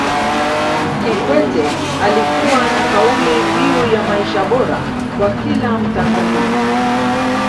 Kikwete alikuwa na kauli mbiu ya maisha bora kwa kila mtanzania